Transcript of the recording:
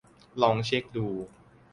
ลองเช็คดู